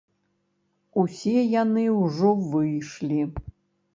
Усе яны ўжо выйшлі.